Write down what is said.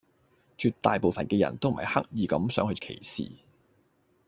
絕大部份嘅人都唔係刻意咁想去歧視